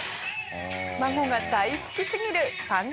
孫が大好きすぎる手作り？